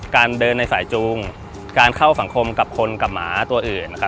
การเดินในสายจูงการเข้าสังคมกับคนกับหมาตัวอื่นนะครับ